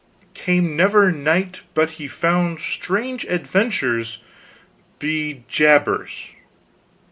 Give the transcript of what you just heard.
"came never knight but he found strange adventures, be jabers.